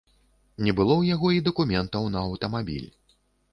Не было ў яго і дакументаў на аўтамабіль.